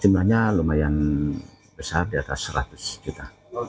jumlahnya lumayan besar di atas seratus juta